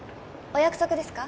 お約束ですか？